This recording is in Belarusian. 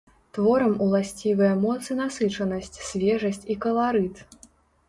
Творам уласцівыя моц і насычанасць, свежасць і каларыт.